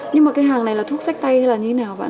nhưng mà cái hàng này là thuốc sách tay hay là như thế nào